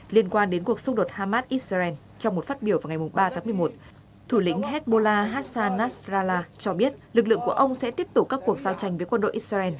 liên quan đến cuộc xung đột hamas israel trong một phát biểu vào ngày ba tháng một mươi một thủ lĩnh hezbollah hassan nasrallah cho biết lực lượng của ông sẽ tiếp tục các cuộc giao tranh với quân đội israel